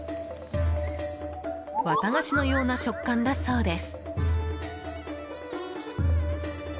綿菓子のような食感だそうです。